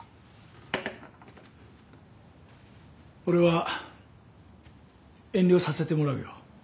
俺は遠慮させてもらうよ。